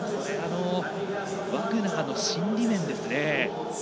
ワグナーの心理面ですね。